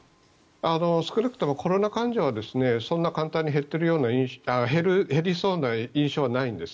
少なくともコロナ患者はそんなに簡単に減りそうな印象はないんです。